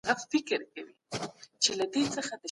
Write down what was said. ستاينې خدمت نه دی، رښتینی دوست يې بيانوي.